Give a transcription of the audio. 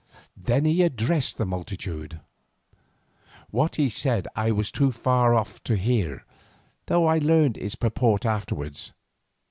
Then he addressed the multitude. What he said I was too far off to hear, though I learned its purport afterwards.